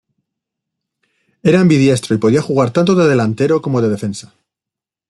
Era ambidiestro y podía jugar tanto de delantero como de defensa.